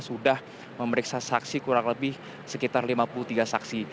sudah memeriksa saksi kurang lebih sekitar lima puluh tiga saksi